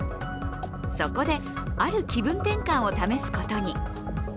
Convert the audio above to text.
そこで、ある気分転換を試すことに。